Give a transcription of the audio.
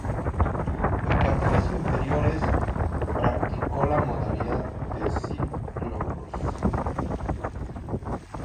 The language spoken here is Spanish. En categorías inferiores practicó la modalidad de Ciclocross.